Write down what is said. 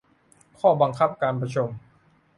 ข้อบังคับการประชุม